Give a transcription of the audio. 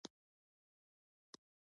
د بېوزلۍ کچه راټیټه شوه.